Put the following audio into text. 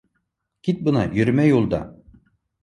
— Кит бынан, йөрөмә юлда!